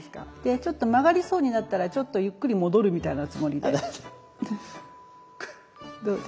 ちょっと曲がりそうになったらちょっとゆっくり戻るみたいなつもりで。